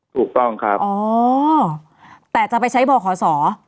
ถูกต้องครับอ๋อแต่จะไปใช้บ่อขอสอ